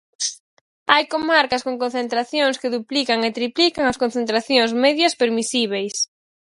Hai comarcas con concentracións que duplican e triplican as concentracións medias permisíbeis.